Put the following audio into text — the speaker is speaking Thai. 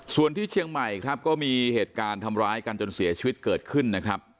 ส่วนที่เชียงใหม่ครับก็มีเหตุการณ์ทำร้ายกันจนเสียชีวิตเกิดขึ้นนะครับ